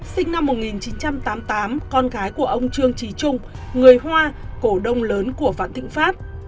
sinh năm một nghìn chín trăm tám mươi tám con gái của ông trương trí trung người hoa cổ đông lớn của vạn thịnh pháp